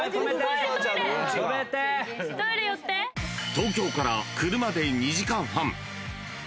［東京から車で２時間半］